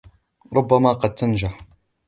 ربما قد تنجح.